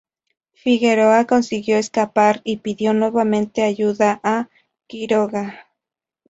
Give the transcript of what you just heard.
Figueroa consiguió escapar y pidió nuevamente ayuda a Quiroga.